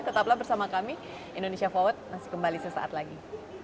tetaplah bersama kami indonesia forward masih kembali sesaat lagi